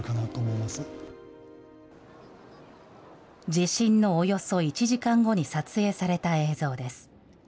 地震のおよそ１時間後に撮影された映像です。